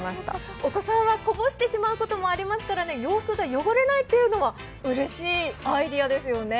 お子さんはこぼしてしまうこともありますから洋服が汚れないというのはうれしいアイデアですよね。